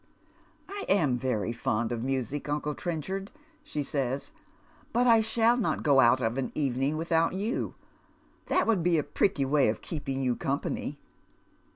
" I am very fond of music, uncle Trencliard," she says, "but I shall not go out of an evening without you. That would be a pretty way of keeping j'ou company."